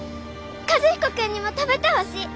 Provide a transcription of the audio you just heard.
和彦君にも食べてほしい！